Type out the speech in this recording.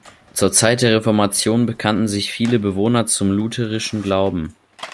Zur Zeit der Reformation bekannten sich viele Bewohner zum lutherischen Glauben.